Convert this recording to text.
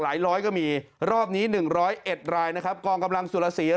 หลายหล้อยก็มีรอบนี้๑๐๑ไรนะครับกองกำลังสุรศีรรย์